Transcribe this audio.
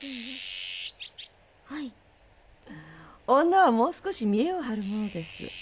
女はもう少し見えを張るものです。